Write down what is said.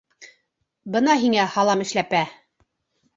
Бына һиңә һалам эшләпә!